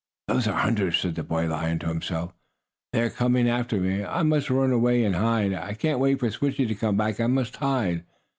"Those are hunters!" said the boy lion to himself. "They are coming after me! I must run away and hide! I can't wait for Switchie to come back! I must hide!"